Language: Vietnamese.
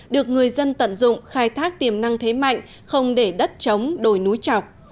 được người dân tận dụng khai thác tiềm năng thế mạnh không để đất chống đồi núi chọc